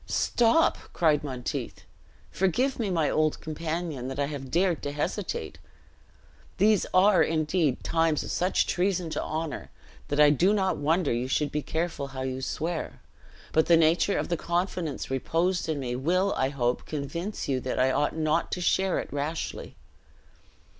"Stop!" cried Monteith. "Forgive me, my old companion, that I have dared to hesitate. These are, indeed, times of such treason to honor, that I do not wonder you should be careful how you swear; but the nature of the confidence reposed in me will. I hope, convince you that I ought not to share it rashly.